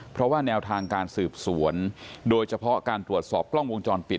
เพราะว่าแนวทางการสืบสวนโดยเฉพาะการตรวจสอบกล้องวงจรปิด